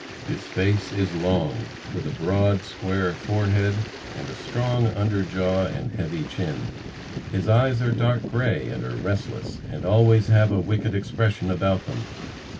His face is long, with a broad, square forehead, and a strong under jaw and heavy chin. His eyes are dark gray and are restless, and always have a wicked expression about them.